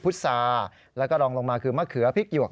ุซาแล้วก็รองลงมาคือมะเขือพริกหยวก